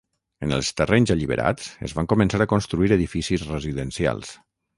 En els terrenys alliberats es van començar a construir edificis residencials.